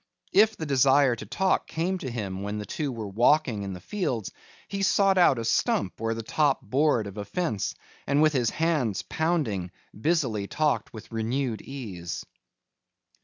If the desire to talk came to him when the two were walking in the fields, he sought out a stump or the top board of a fence and with his hands pounding busily talked with renewed ease.